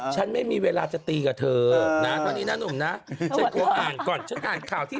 ช้าสุดคือสิ้นเดือนหน้า